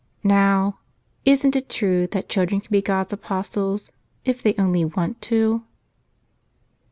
Now, isn't it true that children can be God's apostles if they only want to?